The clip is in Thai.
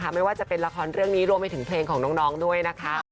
แต่ว่าทุกคนตอนนี้ก็อยากจะใช้เวลาร่วมกันให้ดีที่สุดค่ะ